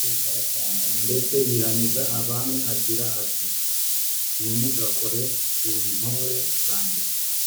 ndetse yihaniza abami, agira ati ntimugakore ku ntore zanjye